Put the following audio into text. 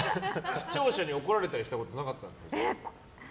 視聴者に怒られたりしたことなかったんですか？